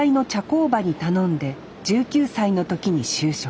工場に頼んで１９歳の時に就職。